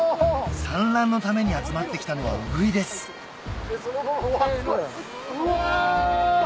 産卵のために集まって来たのはウグイですうわ！